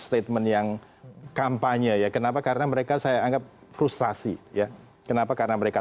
statement yang kampanye ya kenapa karena mereka saya anggap frustrasi ya kenapa karena mereka